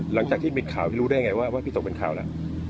หลังจากที่มิดข่าวรู้ได้ยังไงว่าพี่ตกเป็นข่าวล่ะ